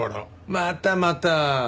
またまた。